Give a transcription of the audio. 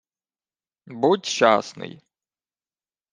— Будь щасний.